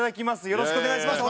よろしくお願いします。